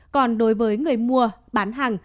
còn đối với người mua bán hàng